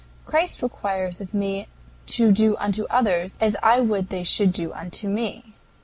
Christ requires of me to do unto others as I would they should do unto me.